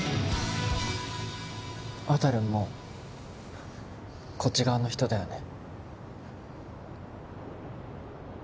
わたるんもこっち側の人だよね。